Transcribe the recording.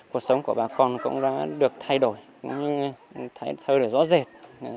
cuộc sống của bà con cũng đã được thay đổi thấy hơi rõ rệt